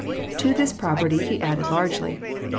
To this property he added largely.